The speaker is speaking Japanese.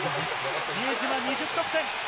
比江島２０得点。